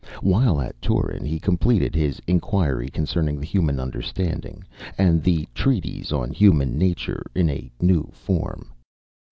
While at Turin he completed his "Inquiry Concerning the Human Understanding," the "Treatise on Human Nature" in a new form.